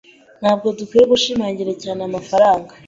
Ntabwo dukwiye gushimangira cyane amafaranga.